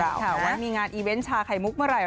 ข่าวว่ามีงานอีเวนต์ชาไข่มุกเมื่อไหร